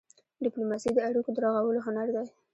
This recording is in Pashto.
ډيپلوماسي د اړیکو د رغولو هنر دی.